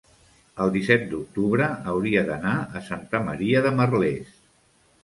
el disset d'octubre hauria d'anar a Santa Maria de Merlès.